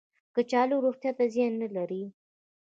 کچالو روغتیا ته زیان نه لري